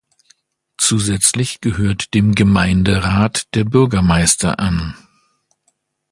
Zusätzlich gehört dem Gemeinderat der Bürgermeister an.